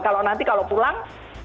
kalau nanti kalau pulang